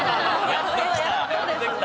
やっときた。